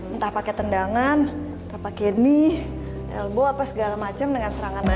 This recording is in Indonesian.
entah pakai tendangan entah pakai knee elbow apa segala macem dengan serangan elbow